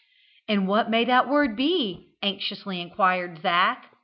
"And what may that word be?" anxiously inquired Zac.